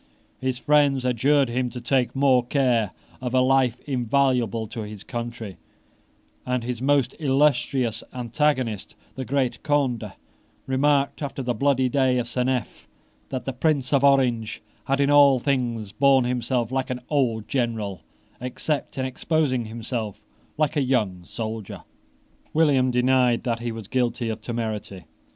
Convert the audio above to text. His friends adjured him to take more care of a life invaluable to his country; and his most illustrious antagonist, the great Conde, remarked, after the bloody day of Seneff that the Prince of Orange had in all things borne himself like an old general, except in exposing himself like a young soldier. William denied that he was guilty of temerity.